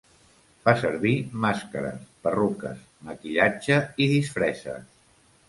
Fa servir màscares, perruques, maquillatge i disfresses.